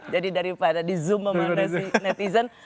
jadi daripada di zoom sama netizen